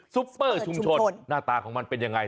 ซุปเปอร์ชุมชนหน้าตาของมันเป็นยังไง